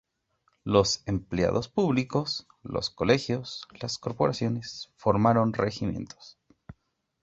Los empleados públicos, los colegios, las corporaciones, formaron regimientos.